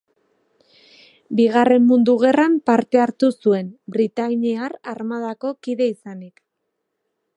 Bigarren Mundu Gerran parte hartu zuen, Britainiar Armadako kide izanik.